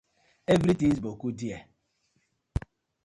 Everytins boku there.